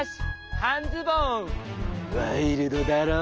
ワイルドだろ？